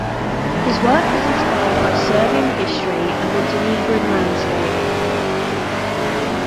His work is inspired by Serbian history and Montenegrin landscape.